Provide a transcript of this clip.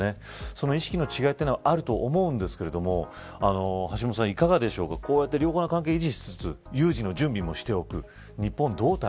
その意識の違いはあると思うんですが橋下さん、いかがでしょうかこういう良好な関係を維持しつつ有事の準備もしていく。